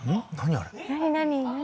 あれ何？